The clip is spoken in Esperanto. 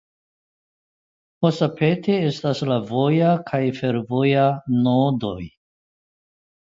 Hosapete estas voja kaj fervoja nodoj.